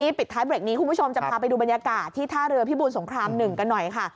ปิดท้ายเบรกนี้คุณผู้ชมจะพาไปดูบรรยากาศที่ท่าเรือพิบูรสงคราม๑กันหน่อยค่ะ